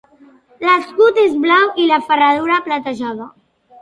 L'escut és blau i la ferradura platejada.